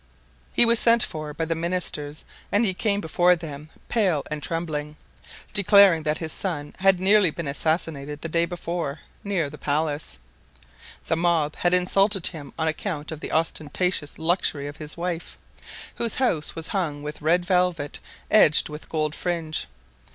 He was sent for by the ministers and he came before them pale and trembling, declaring that his son had very nearly been assassinated the day before, near the palace. The mob had insulted him on account of the ostentatious luxury of his wife, whose house was hung with red velvet edged with gold fringe.